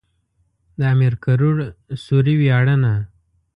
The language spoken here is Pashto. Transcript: د امير کروړ سوري وياړنه.